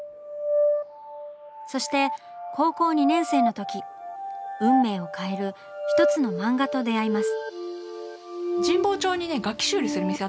そして高校２年生のとき運命を変える一つの漫画と出会います。